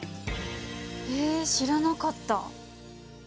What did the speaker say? え知らなかった。